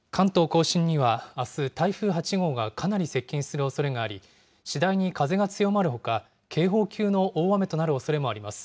甲信にはあす、台風８号がかなり接近するおそれがあり、次第に風が強まるほか、警報級の大雨となるおそれもあります。